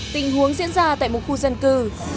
tình huống diễn ra tại một khu dân cư